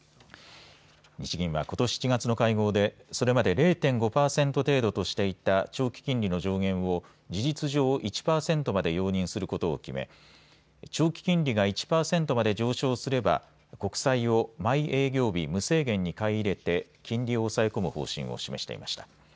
日銀は、ことし７月の会合でそれまで０．５％程度としていた長期金利の上限を事実上１％まで容認することを決め長期金利が１％まで上昇すれば国債を毎営業日、無制限に買い入れて金利を抑え込む方針を示していました。